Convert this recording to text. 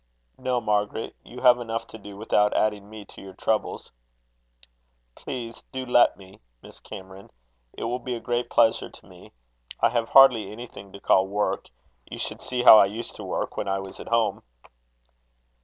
"No, Margaret. You have enough to do without adding me to your troubles." "Please, do let me, Miss Cameron. It will be a great pleasure to me. I have hardly anything to call work. You should see how I used to work when I was at home."